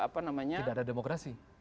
tidak ada demokrasi